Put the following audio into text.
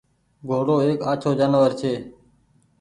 گھوڙو ايڪ آڇو جآنور ڇي